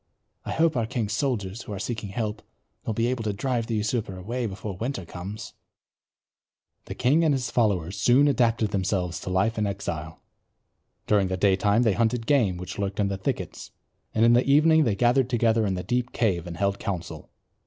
"I hope our king's soldiers, who are seeking help, will be able to drive the usurper away before winter comes." The king and his followers soon adapted themselves to life in exile. During the daytime they hunted game which lurked in the thickets; in the evening they gathered together in the deep cave and held council.